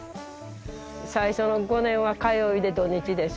最初の５年は通いで土日でしょ。